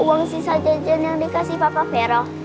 uang sisa jajan yang dikasih papa